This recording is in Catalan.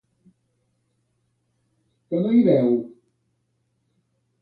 Que no hi veu?